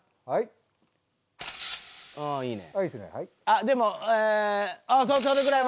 はい。